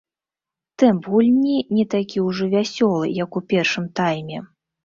Тэмп гульні не такі ўжо вясёлы, як у першым тайме.